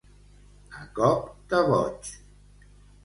A cop de boig.